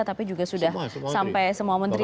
tapi juga sudah sampai semua menteri